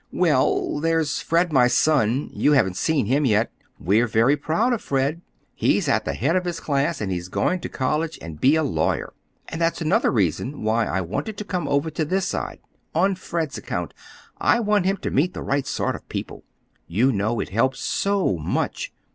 "Well, there's Fred, my son. You haven't seen him yet. We're very proud of Fred. He's at the head of his class, and he's going to college and be a lawyer. And that's another reason why I wanted to come over to this side—on Fred's account. I want him to meet the right sort of people. You know it helps so much!